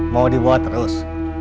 mau dibawa terus